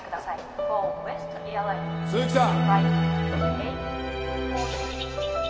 鈴木さん。